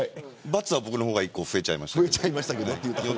バツは僕の方が１個増えちゃいましたけど。